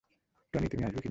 Tony, তুমি আসবে কিনা?